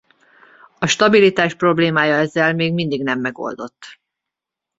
A stabilitás problémája ezzel még mindig nem megoldott.